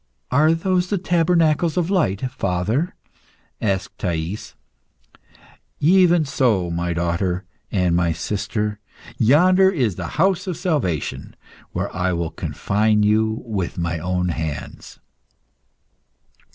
"Are those the tabernacles of Light, father?" asked Thais. "Even so, my daughter and my sister. Yonder is the House of Salvation, where I will confine you with my own hands."